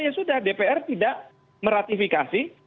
ya sudah dpr tidak meratifikasi